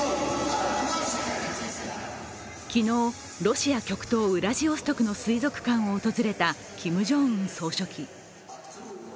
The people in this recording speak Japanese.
昨日、ロシア極東ウラジオストクの水族館を訪れたキム・ジョンウン総書記。